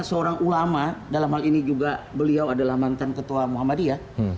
seorang ulama dalam hal ini juga beliau adalah mantan ketua muhammadiyah